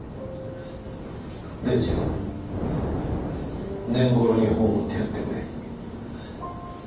伝次郎懇ろに葬ってやってくれ。